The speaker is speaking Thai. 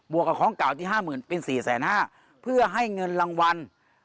วกกับของเก่าที่๕๐๐๐เป็น๔๕๐๐บาทเพื่อให้เงินรางวัล